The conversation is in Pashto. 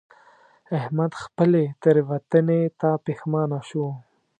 احمد خپلې تېروتنې ته پښېمانه شو.